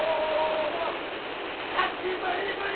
久しぶりぶり！